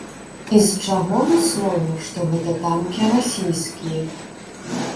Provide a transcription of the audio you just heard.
І з чаго выснова, што гэта танкі расійскія?